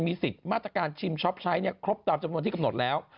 สิทธิ์มาตรการชิมช็อปใช้ครบตามจำนวนที่กำหนดแล้ว